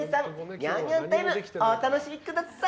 ニャンニャンタイムお楽しみください！